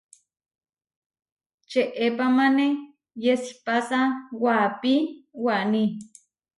Čeepamáne yesipása waapí waní.